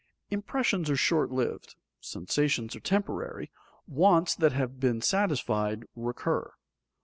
_ Impressions are short lived, sensations are temporary, wants that have been satisfied recur.